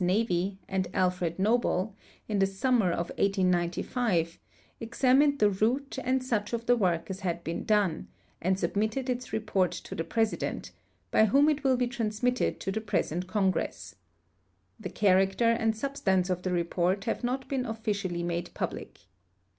Navy, and Alfred Noble, in the summer of 1895 examined the route and such of the work as had been done, ami submitted its report to the President, by whom it will be transmitted to the ])resent Congress. 44ic character and sub stance of the report have not been odiciall}' made public.